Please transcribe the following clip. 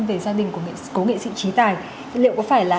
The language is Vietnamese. về gia đình của nghệ sĩ trí tài liệu có phải là